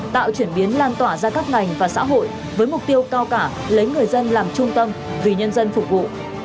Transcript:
tạo chuyển biến lan tỏa ra các ngành và xã hội với mục tiêu cao cả lấy người dân làm trung tâm vì nhân dân phục vụ